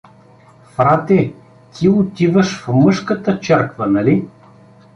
— Фрате, ти отиваш в мъжката черква, нали?